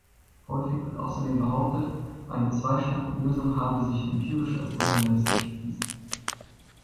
Häufig wird außerdem behauptet, eine Zweistaatenlösung habe sich empirisch als unrealistisch erwiesen.